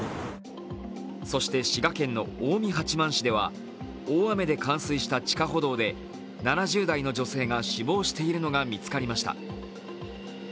そして、滋賀県の近江八幡市では大雨で冠水した地下歩道で７０代の女性が死亡しているのが見つかりました。